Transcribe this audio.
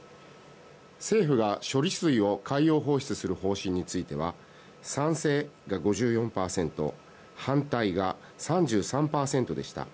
政府が処理水を海洋放出する方針については賛成が５４％反対が３３％でした。